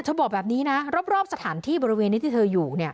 บอกแบบนี้นะรอบสถานที่บริเวณนี้ที่เธออยู่